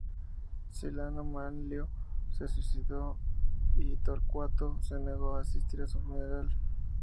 Silano Manlio se suicidó y Torcuato se negó a asistir a su funeral.